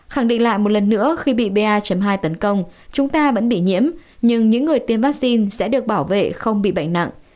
khẳng định lại một lần nữa khi bị ba hai tấn công chúng ta vẫn bị nhiễm nhưng những người tiêm vaccine sẽ được bảo vệ không bị bệnh nặng